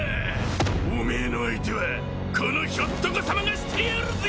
お前の相手はこのひょっとこさまがしてやるぜ！